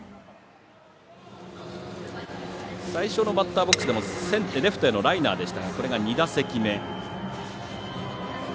最初のバッターボックスでもレフトへのライナーでしたがこれが２打席目。